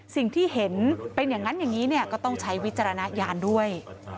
สิ่งที่เห็นเป็นอย่างนั้นอย่างนี้ก็ต้องใช้วิจารณญาณด้วย